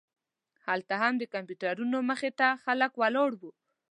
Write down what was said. هلته هم د کمپیوټرونو مخې ته خلک ولاړ وو.